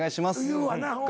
言うわな。